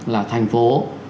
là thành phố